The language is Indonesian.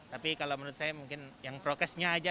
tapi kalau menurut saya mungkin yang prokesnya aja